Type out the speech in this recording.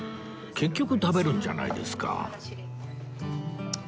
結局食べるんじゃないですか